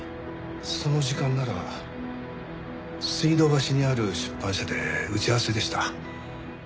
その時間なら水道橋にある出版社で打ち合わせでした。